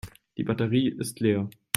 Die Batterie ist leer.